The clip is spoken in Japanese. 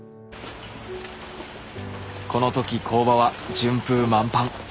このとき工場は順風満帆。